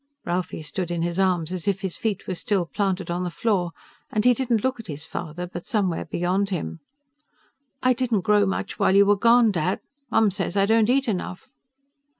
Ralphie stood in his arms as if his feet were still planted on the floor, and he didn't look at his father but somewhere beyond him. "I didn't grow much while you were gone, Dad, Mom says I don't eat enough."